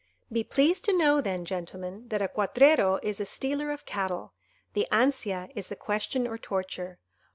"Be pleased to know then, gentlemen, that a cuatrero is a stealer of cattle, the ansia is the question or torture.